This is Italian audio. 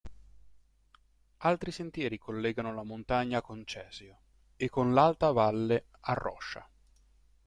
Altri sentieri collegano la montagna con Cesio e con l'alta valle Arroscia.